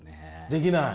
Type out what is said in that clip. できない？